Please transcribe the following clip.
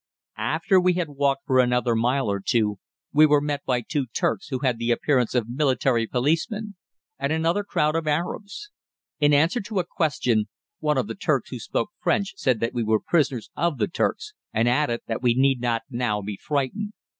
After we had walked for another mile or two we were met by two Turks, who had the appearance of military policemen, and another crowd of Arabs. In answer to a question, one of the Turks who spoke French said that we were prisoners of the Turks, and added that we need not now be frightened.